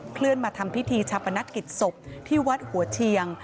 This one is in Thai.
เลื่อนมาทำพิธีชาปนกิจศพที่วัดหัวเชียง